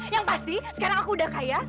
yang pasti sekarang aku udah kaya